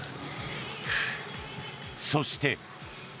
そして。